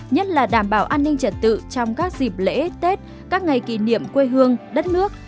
nhất là đảm bảo an ninh trật tự trong các dịp lễ tết các ngày kỷ niệm quê hương đất nước